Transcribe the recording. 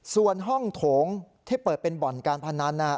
ส่วนห้องโถงที่เปิดเป็นบ่อนการพนัน